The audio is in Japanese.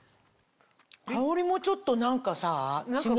香りもちょっと何かさ違う。